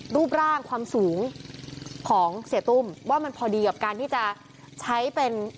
รูปร่างความสูงของเสียตุ้มว่ามันพอดีกับการที่จะใช้เป็น